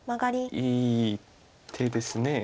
いい手です。